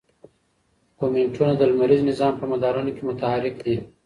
کومیټونه د لمریز نظام په مدارونو کې متحرک دي.